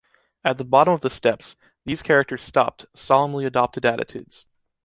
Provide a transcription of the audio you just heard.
At the bottom of the steps, these characters stopped, solemnly adopted attitudes.